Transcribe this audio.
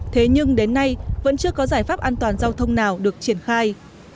thế nhưng đến nay vẫn chưa có giải pháp an toàn giao thông nào được triển khai